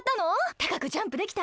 たかくジャンプできた？